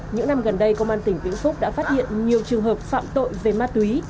những năm gần đây công an tỉnh vĩnh phúc đã phát hiện nhiều trường hợp phạm tội về ma túy